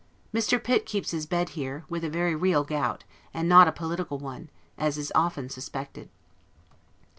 Mr. Pitt keeps his bed here, with a very real gout, and not a political one, as is often suspected.